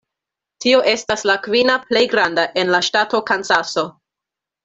Tio estas la kvina plej granda en la ŝtato Kansaso.